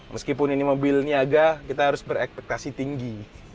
meskipun ini mobil niaga kita harus berekspektasi tinggi